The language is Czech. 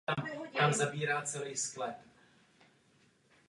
Bohužel je tato regulace nedostatečná.